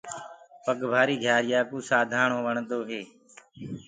پگ ڀآري مآيآئوُنٚ سانڌآڻو وڻدو هي۔